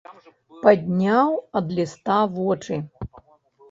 Падняў ад ліста вочы.